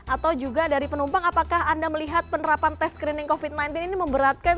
atau juga dari penumpang apakah anda melihat penerapan tes screening covid sembilan belas ini memberatkan